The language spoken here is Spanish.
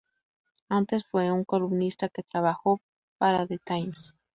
Antes fue un columnista que trabajó para "The Times".